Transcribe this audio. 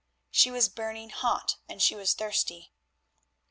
She was burning hot and she was thirsty.